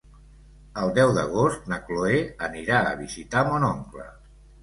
El deu d'agost na Cloè anirà a visitar mon oncle.